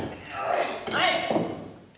はい！